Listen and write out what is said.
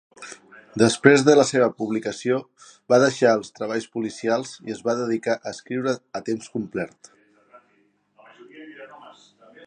Després de la seva publicació, va deixar els treballs policials i es va dedicar a escriure a temps complet.